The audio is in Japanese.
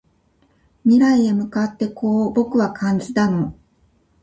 未来へ向かってこう僕は感じたの